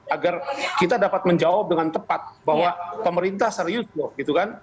agar kita dapat menjawab dengan tepat bahwa pemerintah serius loh gitu kan